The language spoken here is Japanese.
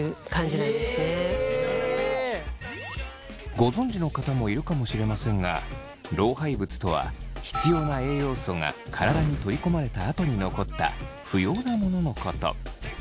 ご存じの方もいるかもしれませんが老廃物とは必要な栄養素が体に取り込まれたあとに残った不要なもののこと。